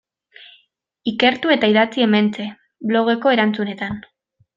Ikertu eta idatzi hementxe, blogeko erantzunetan.